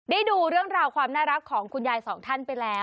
ดูเรื่องราวความน่ารักของคุณยายสองท่านไปแล้ว